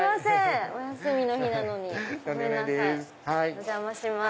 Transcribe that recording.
お邪魔します。